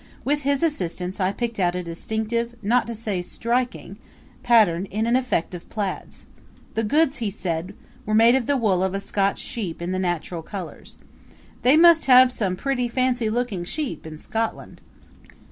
With his assistance I picked out a distinctive, not to say striking, pattern in an effect of plaids. The goods, he said, were made of the wool of a Scotch sheep in the natural colors. They must have some pretty fancy looking sheep in Scotland!